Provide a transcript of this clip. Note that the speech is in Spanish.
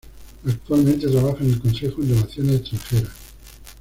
Actualmente trabaja en el Consejo en Relaciones Extranjeras.